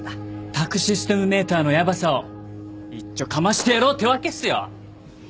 宅・システム・メーターのヤバさをいっちょかましてやろうってわけっすよ。